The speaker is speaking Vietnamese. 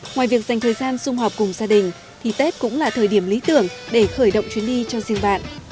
ngoài việc dành thời gian xung họp cùng gia đình thì tết cũng là thời điểm lý tưởng để khởi động chuyến đi cho riêng bạn